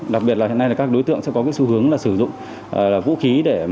đặc biệt là hiện nay các đối tượng sẽ có sự hướng sử dụng vũ khí